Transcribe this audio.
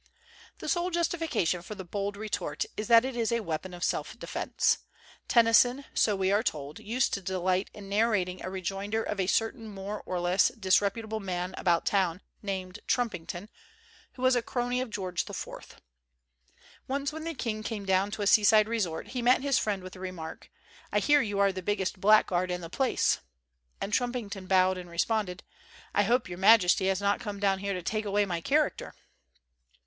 The sole justification for the bold retort is that it is a weapon of self defense. Tennyson, so we were told, used to delight in narrating a rejoinder of a certain more or less disputable 179 THE GENTLE ART OF REPARTEE man about town, named Trumpington, who was a crony of George IV. Once when the king came down to a seaside resort, he met his friend with the remark, "I hear you are the biggest blackguard in the place." And Trumpington bowed and responded, "I hope Your Majesty has not come down here to take away my char acter."